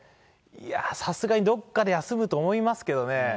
いや、さすがにどっかで休むと思いますけどね。